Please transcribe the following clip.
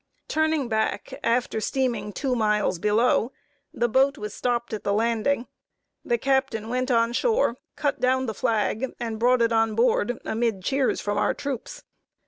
Turning back, after steaming two miles below, the boat was stopped at the landing; the captain went on shore, cut down the flag, and brought it on board, amid cheers from our troops.